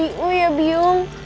saya sudah lelah biung